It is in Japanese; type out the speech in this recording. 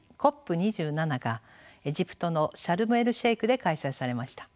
２７がエジプトのシャルム・エル・シェイクで開催されました。